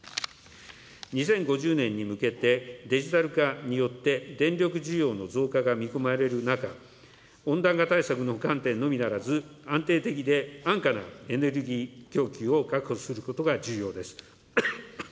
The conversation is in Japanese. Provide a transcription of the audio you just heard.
２０５０年に向けて、デジタル化によって電力需要の増加が見込まれる中、温暖化対策の観点のみならず、安定的で安価なエネルギー供給を確保することが重要です。